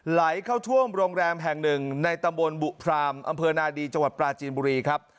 ไหลเข้าท่วมโรงแรมแห่งหนึ่งในตำบลบุพรามอำเภอนาดีจังหวัดปลาจีนบุรีครับ